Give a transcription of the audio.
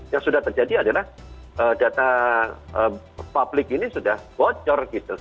yang sudah terjadi adalah data publik ini sudah bocor gitu